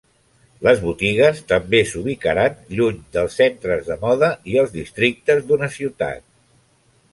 Les botigues també s'ubicaran lluny dels centres de moda i els districtes d'una ciutat.